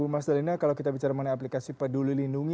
mas dalina kalau kita bicara mengenai aplikasi peduli lindungi